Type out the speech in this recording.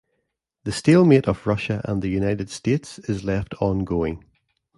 The stalemate of Russia and the United States is left ongoing.